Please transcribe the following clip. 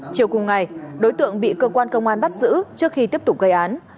chiều cùng ngày đối tượng bị cơ quan công an bắt giữ trước khi tiếp tục gây án